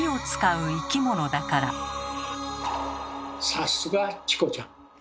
さすがチコちゃん。